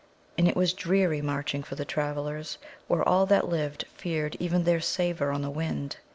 And it was dreary marching for the travellers where all that lived feared even their savour on the wind.